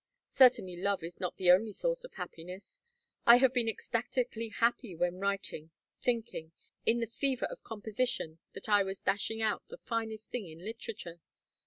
Certainly love is not the only source of happiness. I have been ecstatically happy when writing thinking, in the fever of composition that I was dashing out the finest thing in literature.